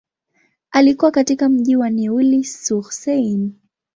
Alikua katika mji wa Neuilly-sur-Seine.